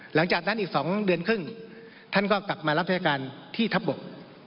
หลังจากนั้นอีก๒เดือนครึ่งท่านก็กลับมารับราชการที่ทัพบก